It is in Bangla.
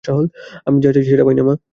আমি যা চাই সেটা পাই না, মা।